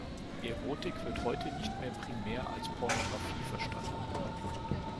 Erotik wird heute nicht mehr primär als Pornografie verstanden.